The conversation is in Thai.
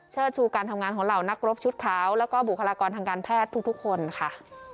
ชูการทำงานของเหล่านักรบชุดขาวแล้วก็บุคลากรทางการแพทย์ทุกคนค่ะ